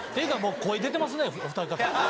声出てますね、お二方。